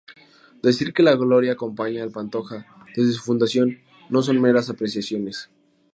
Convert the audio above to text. Decir que la gloria acompaña al Pantoja desde su fundación no son meras apreciaciones.